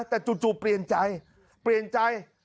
แต่จู่เปลี่ยนใจเปลี่ยนใจ